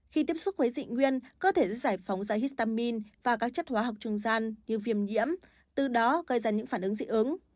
khi tiếp xúc với dị nguyên cơ thể giải phóng ra histamin và các chất hóa học trung gian như viêm nhiễm từ đó gây ra những phản ứng dị ứng